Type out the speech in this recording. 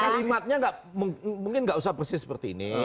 kalimatnya enggak mungkin enggak usah persis seperti ini